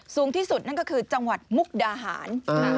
สูงที่สุดนั่นก็คือจังหวัดมุกดาหาร